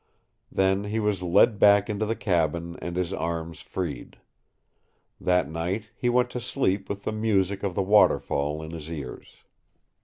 Then he was led back into the cabin and his arms freed. That night he went to sleep with the music of the waterfall in his ears.